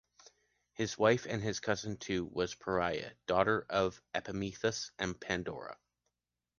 His wife, and his cousin too, was Pyrrha, daughter of Epimetheus and Pandora.